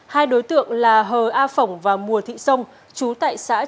hai đối tượng là hờ a phỏng và mùa thị sông chú tại xã